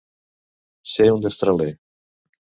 Ser un destraler.